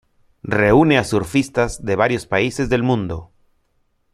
Reúne a surfistas de varios países del mundo.